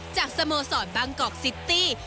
สโมสรบางกอกซิตี้